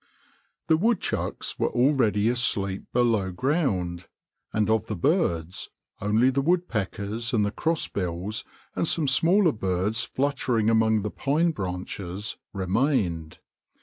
The woodchucks were already asleep below ground, and of the birds only the woodpeckers and the crossbills, and some smaller birds fluttering among the pine branches, remained.